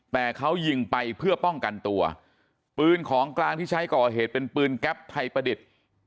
แต่เขายิงไปเพื่อป้องกันตัวปืนของกลางที่ใช้ก่อเหตุเป็นปืนแก๊ปไทยประดิษฐ์